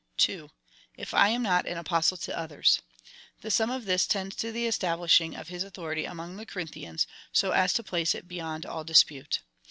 ^ 2. If I am not an Apostle to others. The sum of this tends to the establishing of his authority among the Corinthians, so as to place it beyond all dispute.